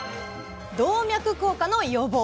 「動脈硬化の予防」。